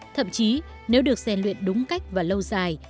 thậm chí nếu được rèn luyện đúng cách và lâu dài